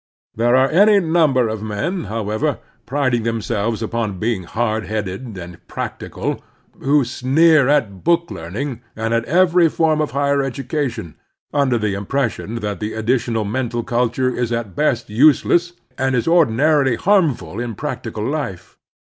There are any number of men, however, priding them selves upon being "hard headed" and "prac tical" who sneer at book learning and at every form of higher education, under the impression that the additional mental culture is at best useless, and is ordinarily harmful in practical life.